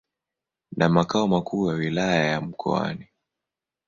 na makao makuu ya Wilaya ya Mkoani.